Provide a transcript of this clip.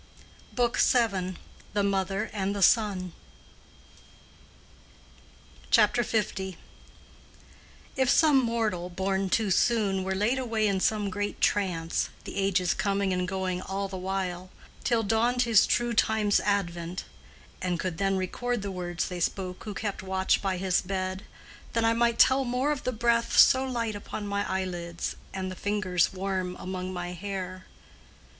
BOOK VII.—THE MOTHER AND THE SON CHAPTER L. "If some mortal, born too soon, Were laid away in some great trance—the ages Coming and going all the while—till dawned His true time's advent; and could then record The words they spoke who kept watch by his bed, Then I might tell more of the breath so light Upon my eyelids, and the fingers warm Among my hair.